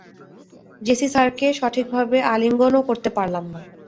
JC স্যারকে ঠিকভাবে আলিঙ্গনও করতে পারলাম না।